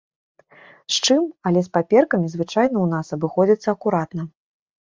З чым, але з паперкамі звычайна ў нас абыходзяцца акуратна.